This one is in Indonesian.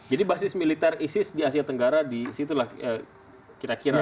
jadi basis militer isis di asia tenggara disitulah kira kira